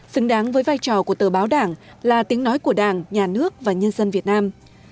xứng đáng với vai trò của tờ báo đảng là tiếng nói của đảng nhà nước và nhân dân việt nam